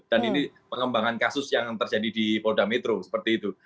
dan ini pengembangan kasus yang terjadi di kapolda metro seperti itu